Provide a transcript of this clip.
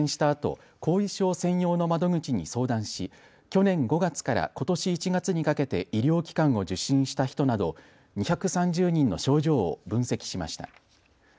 あと後遺症専用の窓口に相談し去年５月からことし１月にかけて医療機関を受診した人など２３０人の症状を分析しました。